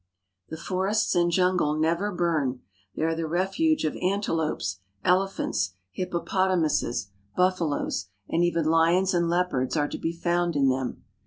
The forests and jungle never burn. They are the refuge of antelopes, elephants, hippopotamuses, buffaloes ; and even lions and leopards are to be found in them.